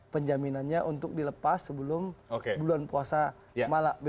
penjaminannya untuk dilepas sebelum bulan puasa malam